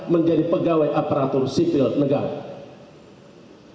menjadi pegawai aparatur sipil negara